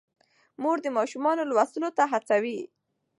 مور د ماشومانو لوستلو ته هڅوي.